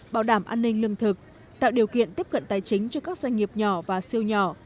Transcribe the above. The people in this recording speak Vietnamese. bảo đảm an ninh lương thực tạo điều kiện tiếp cận tài chính cho các doanh nghiệp nhỏ và siêu nhỏ